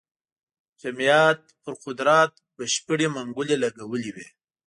جمعیت پر قدرت بشپړې منګولې لګولې وې.